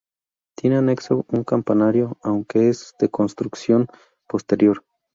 Tiene anexo un campanario, aunque es de construcción posterior.